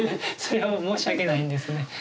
それは申し訳ないんですね。